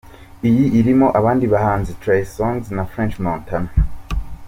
Iyi irimo abandi bahanzi Trey Songz na French Montana.